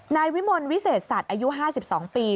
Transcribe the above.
นายวิมลวิเศษสัตว์อายุ๕๒ปี